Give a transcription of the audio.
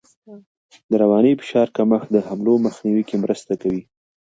د رواني فشارونو کمښت د حملو مخنیوی کې مرسته کوي.